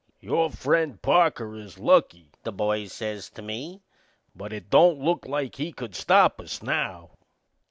"Your friend Parker is lucky," the boys says to me, "but it don't look like he could stop us now."